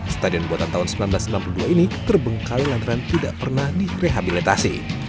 stadion buatan tahun seribu sembilan ratus sembilan puluh dua ini terbengkalai lantaran tidak pernah direhabilitasi